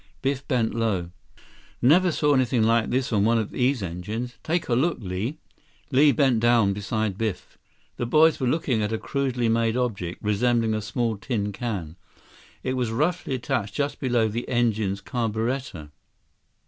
Biff bent low. "Never saw anything like this on one of these engines. Take a look, Li." Li bent down beside Biff. The boys were looking at a crudely made object, resembling a small tin can. It was roughly attached just below the engine's carburetor.